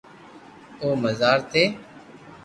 او مزار تي